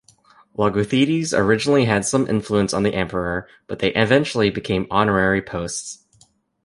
Logothetes originally had some influence on the emperor, but they eventually became honorary posts.